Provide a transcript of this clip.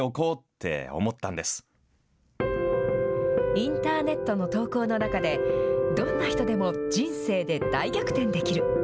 インターネットの投稿の中でどんな人でも人生で大逆転できる。